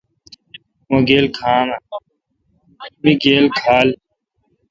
می گیل کھال۔